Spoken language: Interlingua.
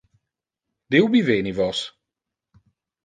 De ubi veni vos?